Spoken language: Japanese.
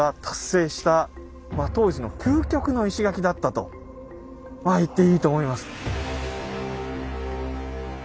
と言っていいと思います。